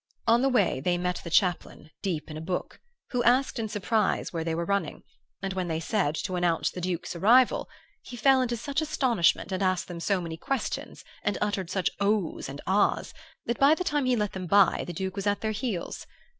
On the way they met the chaplain, deep in a book, who asked in surprise where they were running, and when they said, to announce the Duke's arrival, he fell into such astonishment and asked them so many questions and uttered such ohs and ahs, that by the time he let them by the Duke was at their heels.